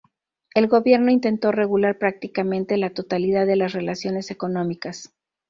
El gobierno intentó regular prácticamente la totalidad de las relaciones económicas.